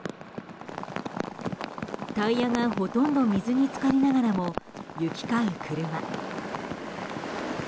タイヤがほとんど水に浸かりながらも行き交う車。